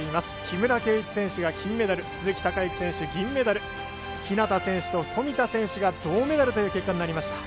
木村敬一選手が金メダル鈴木孝幸選手、銀メダル日向選手と富田が銅メダルという結果になりました。